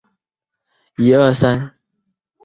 同时这也标志着两位大作曲家终身友谊的开始。